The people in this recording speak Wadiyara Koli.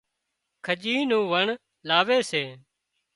کڄي نُون واڻ لاوي سي